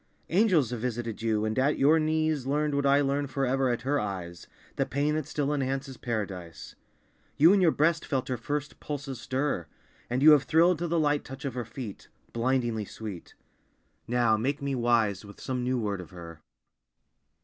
Angels have visited you, and at your knees Learned what I learn forever at her eyes, The pain that still enhances Paradise. You in your breast felt her first pulses stir; And you have thrilled to the light touch of her feet, Blindingly sweet. Now make me wise with some new word of Her."